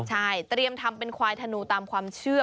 ใช่เตรียมทำเป็นควายธนูตามความเชื่อ